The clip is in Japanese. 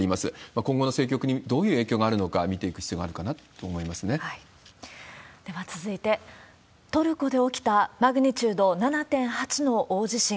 今後の政局にどういう影響があるのか、見ていく必要があるかなとでは続いて、トルコで起きたマグニチュード７．８の大地震。